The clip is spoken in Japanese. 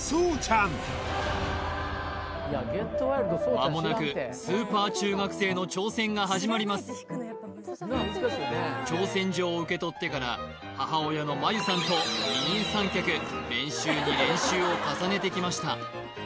まもなくスーパー中学生の挑戦が始まります挑戦状を受け取ってから母親のまゆさんと二人三脚練習に練習を重ねてきました